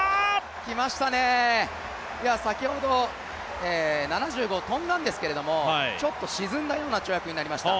来ましたね、先ほど７５を跳んだんですけどちょっと沈んだような跳躍になりました。